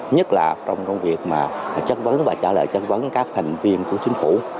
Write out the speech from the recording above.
nhất là trong công việc trách vấn và trả lời trách vấn các thành viên của chính phủ